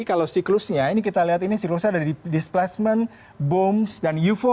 kalau siklusnya ini kita lihat ini siklusnya ada displacement booms dan euphoria